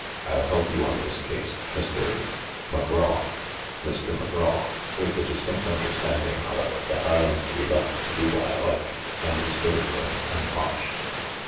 "I'll help you on this case, Mr. —" "McGraw." "— Mr.Graw, with tHe distinct understanding, how ever, that I am to be left to do what I like, undisturbed and unwatched.